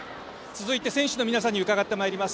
選手の皆さんに伺ってまいります。